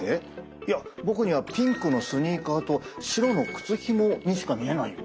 いや僕にはピンクのスニーカーと白の靴ひもにしか見えないよ。